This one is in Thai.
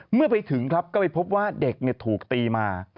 เมื่อไปถึงครับก็ไปพบว่าเด็กถูกตีมา